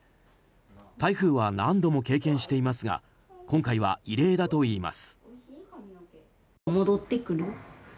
台風は何度も経験していますが今回は異例だといいます。